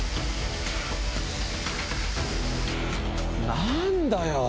何だよ！